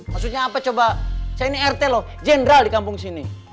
maksudnya apa coba saya ini rt loh jenderal di kampung sini